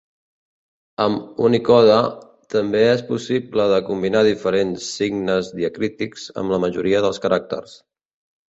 Amb Unicode també és possible de combinar diferents signes diacrítics amb la majoria dels caràcters.